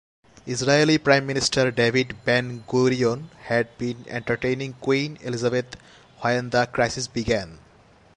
Israeli Prime Minister David Ben-Gurion had been entertaining Queen Elisabeth when the crisis began.